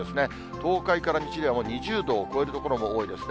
東海から西ではもう２０度を超える所も多いですね。